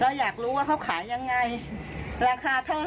อยากรู้ว่าเขาขายยังไงราคาเท่าไหร่